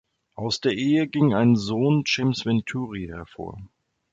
Aus der Ehe ging ein Sohn, James Venturi, hervor.